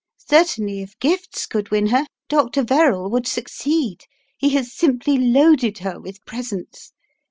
Certainly if gifts could win her, Dr. Ver rall would succeed, he has simply loaded her with presents.